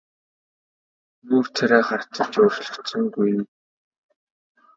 Нүүр царай харц нь ч өөрчлөгдсөнгүй.